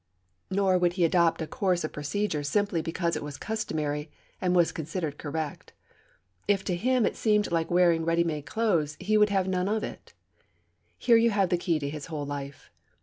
Nor would he adopt a course of procedure simply because it was customary and was considered correct. If, to him, it seemed like wearing ready made clothes, he would have none of it. Here you have the key to his whole life.